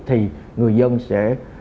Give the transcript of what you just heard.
thì người dân sẽ